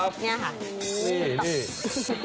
เนี่ยค่ะ